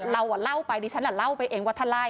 เราเล่าไปดิฉันเล่าไปเองว่าถ้าไล่